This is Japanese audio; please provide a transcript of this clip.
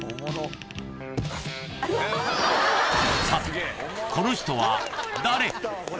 ［さてこの人は誰？］